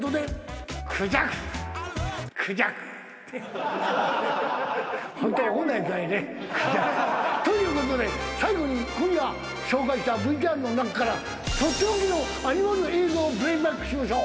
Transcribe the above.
クジャク。ということで最後に今夜紹介したＶＴＲの中から取って置きのアニマル映像をプレーバックしましょう。